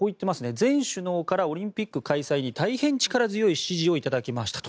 全首脳からオリンピック開催に大変力強い支持を頂きましたと。